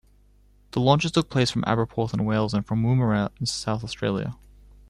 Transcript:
The launches took place from Aberporth in Wales and from Woomera in South Australia.